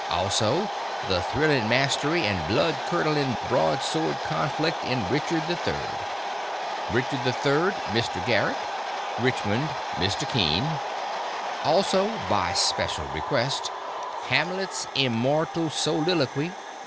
Also: The thrilling, masterly, and blood curdling Broad sword conflict In Richard III.!!! Richard III................................ Mr. Garrick. Richmond................................... Mr. Kean. also: (by special request,) Hamlet's Immortal Soliloquy!!